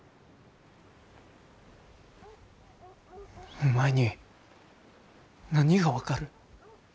お前に何が分かる。